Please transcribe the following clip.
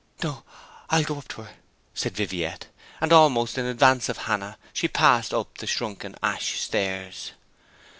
'No, I'll go up to her,' said Viviette; and almost in advance of Hannah she passed up the shrunken ash stairs.